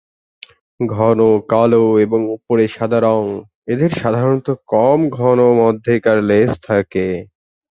ঘন কালো এবং ওপরে সাদা রঙ, এদের সাধারণত কম ঘন মধ্যেকার লেজ থাকে।